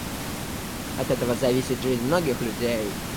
От этого зависит жизнь многих людей.